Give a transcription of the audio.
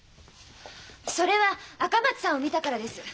それは赤松さんを見たからです。